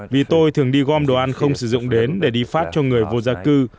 vì tôi thường đi gom đồ ăn không sử dụng đến để đi phát cho người vô gia cư